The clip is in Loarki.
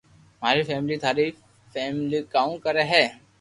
مارو فيملي ٿاري فيملو ڪاو ڪري ھي